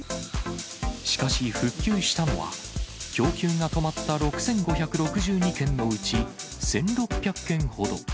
しかし、復旧したのは、供給が止まった６５６２軒のうち１６００軒ほど。